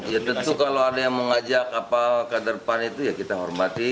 ya tentu kalau ada yang mengajak apa ke depan itu ya kita hormati